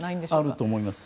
あると思います。